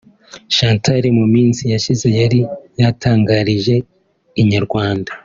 Chantal mu minsi yashize yari yatangarije Inyarwanda